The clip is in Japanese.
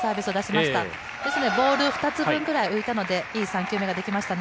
ですので、ボール２つ分ぐらい浮いたのでいい３球目ができましたね。